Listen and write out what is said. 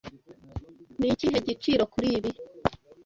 Ni ikihe giciro kuri ibi?